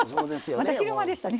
まだ昼間でしたね。